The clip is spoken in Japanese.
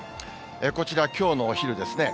こちら、きょうのお昼ですね。